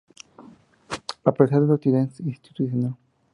A pesar de su actividad institucional.